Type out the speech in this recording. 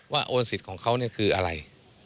ว่าโอนสิทธิ์ของเขาเนี่ยคืออะไร